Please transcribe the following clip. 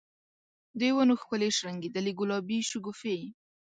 د ونو ښکلي شرنګیدلي ګلابې شګوفي